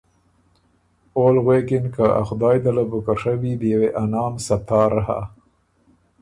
اول غوېکِن که ”ا خدایٛ ده له بُو که ڒوی، بيې وې ا نام ستار هۀ“